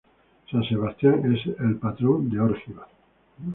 San Sebastián es el patrón de Órgiva.